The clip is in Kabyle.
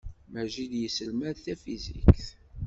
Maǧid yesselmad tafizikt.